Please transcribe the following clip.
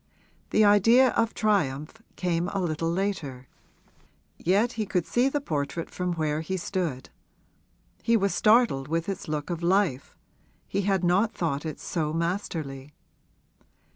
The idea of the triumph came a little later. Yet he could see the portrait from where he stood; he was startled with its look of life he had not thought it so masterly.